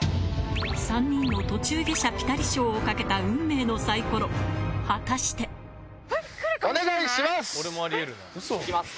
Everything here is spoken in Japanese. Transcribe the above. ３人の途中下車ピタリ賞を懸けた運命のサイコロ果たして行きます。